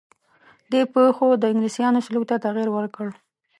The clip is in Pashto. دې پېښو د انګلیسیانو سلوک ته تغییر ورکړ.